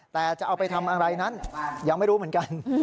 แต่จะเอาไปทำอะไรนั้นยังไม่รู้เหมือนกัน